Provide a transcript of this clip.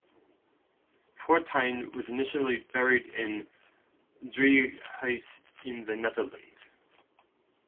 Fortuyn was initially buried in Driehuis in the Netherlands.